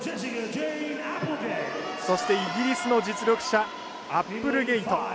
そして、イギリスの実力者アップルゲイト。